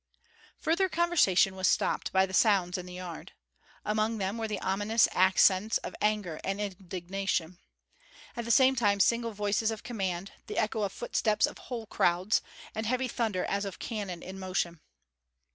Further conversation was stopped by sounds in the yard. Among them were the ominous accents of anger and indignation. At the same time single voices of command, the echo of footsteps of whole crowds, and heavy thunder as of cannon in motion.